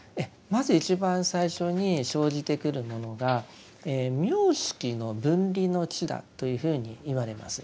まず一番最初に生じてくるものが名色の分離の智だというふうにいわれます。